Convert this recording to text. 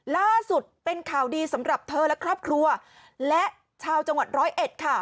ล่าสุดเป็นข่าวดีสำหรับเธอและครอบครัวและชาวจังหวัดร้อยเอ็ดค่ะ